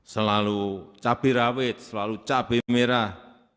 selalu cabai rawit selalu cabai merah